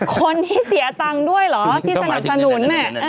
คนที่เสียตังค์ด้วยเหรอที่สนับสนุน